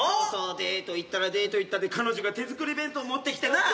デート行ったらデート行ったで彼女が手作り弁当持ってきてなぁ。